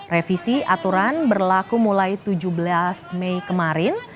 revisi aturan berlaku mulai tujuh belas mei kemarin